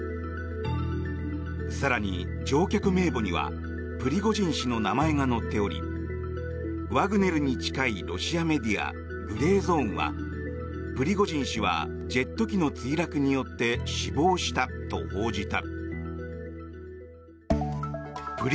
更に乗客名簿にはプリゴジン氏の名前が載っておりワグネルに近いロシアメディアグレーゾーンはプリゴジン氏はジェット機の墜落によって死亡したと報じた。